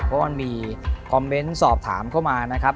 เพราะว่ามีคอมเมนสอบถามเข้ามาครับ